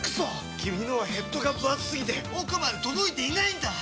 君のはヘッドがぶ厚すぎて奥まで届いていないんだっ！